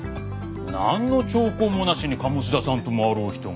なんの兆候もなしに鴨志田さんともあろう人が。